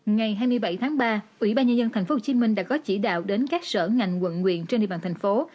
ngày hai mươi bảy tháng ba ủy ban nhân dân tp hcm đã có chỉ đạo đến các sở ngành quận nguyện trên địa bàn thành phố